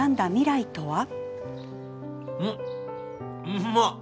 うまっ！